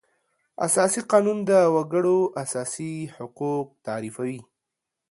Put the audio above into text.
اساسي قانون د وکړو اساسي حقوق تعریفوي.